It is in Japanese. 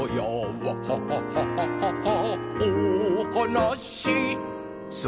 ワハハハハハハおはなしする」